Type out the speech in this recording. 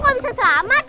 kok bisa selamat